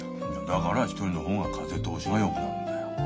だから一人の方が風通しがよくなるんだよ。